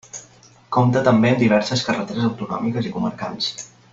Compte també amb diverses carreteres autonòmiques i comarcals.